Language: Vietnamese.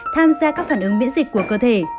tham gia các phản ứng miễn dịch của cơ thể